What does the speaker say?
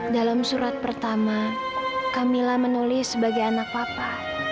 dalam surat pertama camilla menulis sebagai anak papa